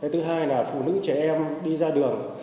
thứ hai là phụ nữ trẻ em đi ra đường